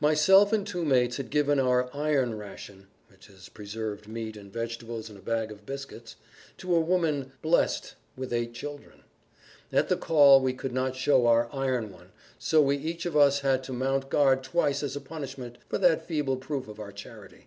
Myself and two mates had given our "iron ration" (preserved meat and vegetables and a bag of biscuits) to a woman "blessed" with eight children. At the call we could not show our "iron one," so we each of us had to mount guard twice as a punishment for that feeble proof of our charity.